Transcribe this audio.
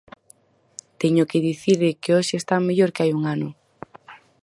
Teño que dicirlle que hoxe están mellor que hai un ano.